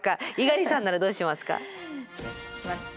猪狩さんならどうしますか？